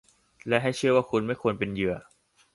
และให้เชื่อว่าคุณไม่ควรเป็นเหยื่อ